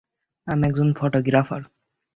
আমি একজন ফটোগ্রাফার!